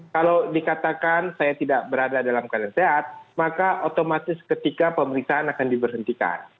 kalau dikatakan saya tidak berada dalam keadaan sehat maka otomatis ketika pemeriksaan akan diberhentikan